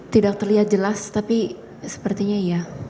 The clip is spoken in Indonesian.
tidak terlihat jelas tapi sepertinya iya